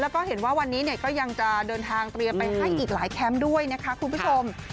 แล้วก็เห็นว่าวันนี้เนี่ยก็ยังจะเดินทางเตรียมไปให้อีกหลายแคมป์ด้วยนะคะคุณผู้ชม